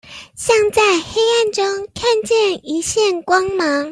像在黑暗中看見一線光芒